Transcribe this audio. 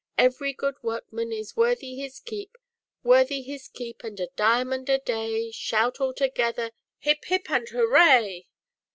Every good workman is worthy his keep; Worthy his keep and a diamond a day, Shout all together, 'Hip, hip and hooray